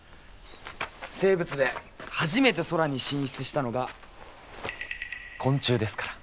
生物で初めて空に進出したのが昆虫ですから。